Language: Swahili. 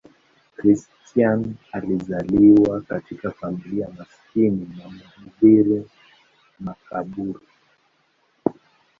Christian alizaliwa katika familia maskini ya mhubiri makaburu.